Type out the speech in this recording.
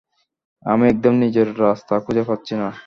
আমি একদম নিজের রাস্তা খুঁজে পাচ্ছি না।